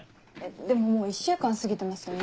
でももう１週間過ぎてますよね。